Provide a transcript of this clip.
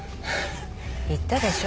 言ったでしょ？